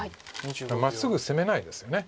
まっすぐ攻めないです。